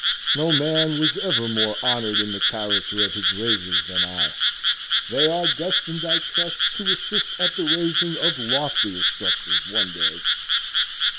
No man was ever more honored in the character of his raisers than I. They are destined, I trust, to assist at the raising of loftier structures one day.